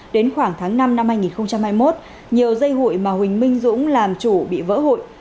đến khoảng tháng năm năm hai nghìn hai mươi một nhiều dây hụi mà huỳnh minh dũng làm chủ bị vỡ hụi